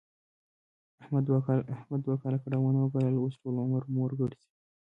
احمد دوه کاله کړاوونه و ګالل، اوس ټول عمر موړ ګرځي.